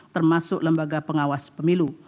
termasuk lembaga pengawas pemilu